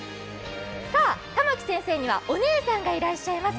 珠暉先生にはお姉さんがいらっしゃいます。